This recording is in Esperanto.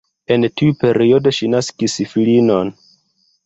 En tiu periodo ŝi naskis filinon.